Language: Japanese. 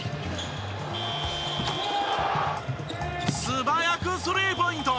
素早くスリーポイント！